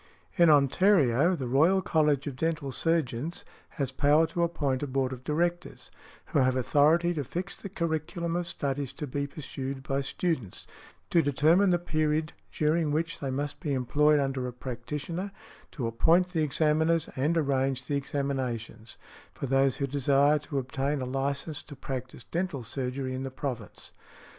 In Ontario, "The Royal College of Dental Surgeons" has power to appoint a Board of Directors, who have authority to fix the curriculum of studies to be pursued by students, to determine the period during which they must be employed under a practitioner, to appoint the examiners, and arrange the examinations, for those who desire to obtain a license to practise dental surgery in the province.